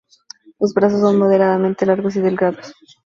Los brazos son moderadamente largos y delgados.